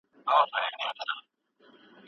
که عايد کم وي د ژوند حالت خرابيږي.